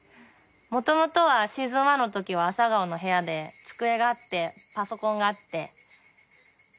もともとはシーズン１のときは朝顔の部屋で机があってパソコンがあって。